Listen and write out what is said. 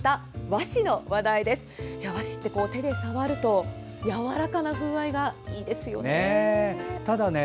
和紙って手で触るとやわらかな風合いがいいですよね。